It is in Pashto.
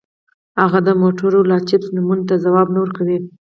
هغه د موټورولا چپس نومونو ته ځواب نه ورکوي